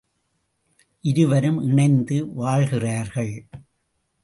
இருவரும் இணைந்து வாழ்கிறார்கள்.